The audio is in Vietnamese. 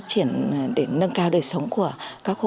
cho những người nghèo